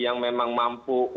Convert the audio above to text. yang memang mampu untuk bicara